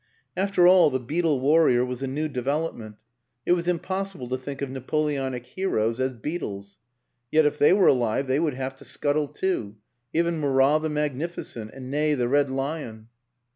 After all, the beetle warrior was a new de velopment it was impossible to think of Napo leonic heroes as beetles. Yet if they were alive they would have to scuttle too even Murat the magnificent, and Ney, the Red Lion.